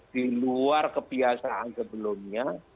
di luar kebiasaan sebelumnya